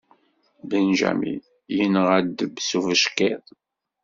Benjamin yenɣa ddeb s ubeckiḍ..